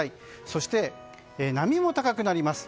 そして波も高くなります。